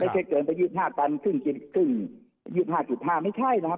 ไม่ใช่เกินไป๒๕ตันขึ้นกินขึ้น๒๕๕ไม่ใช่นะครับ